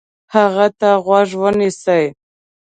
هغه ته غوږ ونیسئ،